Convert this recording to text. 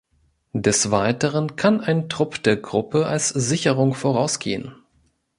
Des Weiteren kann ein Trupp der Gruppe als Sicherung vorausgehen.